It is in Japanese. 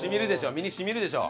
身に沁みるでしょ？